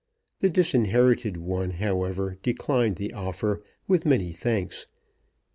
The disinherited one, however, declined the offer, with many thanks.